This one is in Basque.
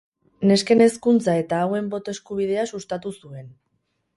Nesken hezkuntza eta hauen boto eskubidea sustatu zuen.